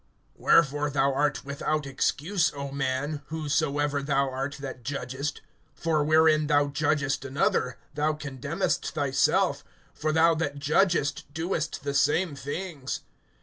WHEREFORE thou art without excuse, O man, whosoever thou art that judgest; for wherein thou judgest another, thou condemnest thyself; for thou that judgest doest the same things.